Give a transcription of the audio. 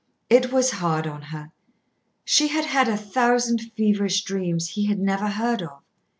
It was hard on her. She had had a thousand feverish dreams he had never heard of.